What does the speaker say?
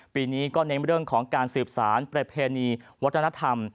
ปีนี้ก็เน้นเรื่องของการสืบสารประเพณีวัฒนธรรม